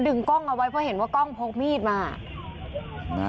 กล้องเอาไว้เพราะเห็นว่ากล้องพกมีดมา